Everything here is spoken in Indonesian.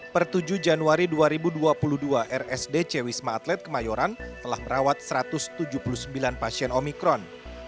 per tujuh januari dua ribu dua puluh dua rsdc wisma atlet kemayoran telah merawat satu ratus tujuh puluh sembilan pasien omikron